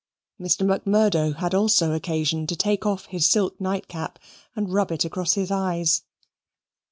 Mr. Macmurdo had also occasion to take off his silk night cap and rub it across his eyes.